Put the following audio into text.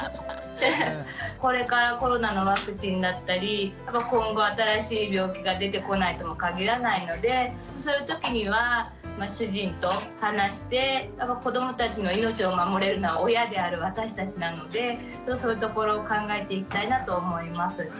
これからコロナのワクチンだったり今後新しい病気が出てこないとも限らないのでそういう時には主人と話してやっぱ子どもたちの命を守れるのは親である私たちなのでそういうところを考えていきたいなと思います。